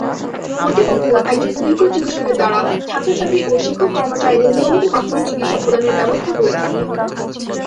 কর্তৃপক্ষ একজন অভিজ্ঞ চিকিৎসকের দ্বারা ছাত্রছাত্রী ও শিক্ষক-কর্মচারীদের নিয়মিত প্রাথমিক চিকিৎসা প্রদানের ব্যবস্থা করে থাকে।